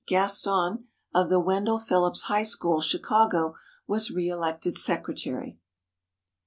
Gaston, of the Wendell Phillips High School, Chicago, was re elected secretary.